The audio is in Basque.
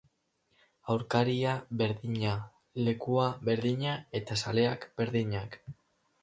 Aurkaria berdina, lekua berdina eta zaleak berdinak.